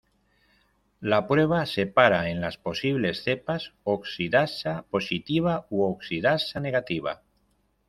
La prueba separa en las posibles cepas Oxidasa positiva u oxidasa negativa.